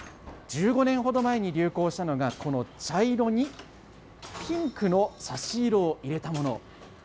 １５年ほど前に流行したのが、この茶色にピンクの差し色を入れたもの。